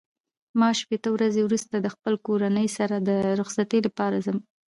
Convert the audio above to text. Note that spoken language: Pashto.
ما شپېته ورځې وروسته د خپل کورنۍ سره د رخصتۍ لپاره ځم.